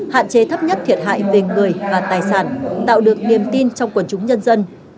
hạn chế thấp nhất thiệt hại về người và tài sản tạo được niềm tin trong quần chúng nhân dân